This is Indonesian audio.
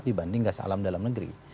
dibanding gas alam dalam negeri